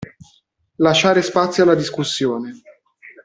Lasciare spazio alla discussione.